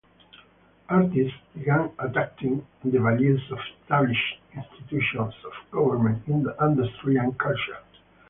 Artists began attacking the values of established institutions of government, industry, and culture.